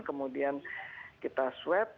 kemudian kita swab